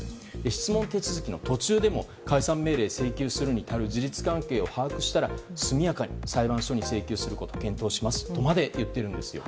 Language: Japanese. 質問手続きの途中でも解散命令請求するに至る事実関係を確認したら速やかに裁判所に請求すると検討しますとまで言っているんですよ。